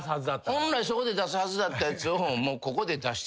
本来そこで出すはずだったやつを。